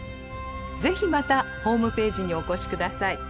是非またホームページにお越し下さい。